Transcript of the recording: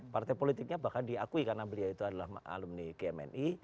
partai politiknya bahkan diakui karena beliau itu adalah alumni gmni